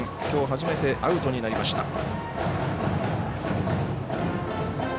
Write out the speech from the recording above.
きょう初めてアウトになりました。